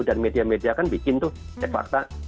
media media kan bikin tuh cek fakta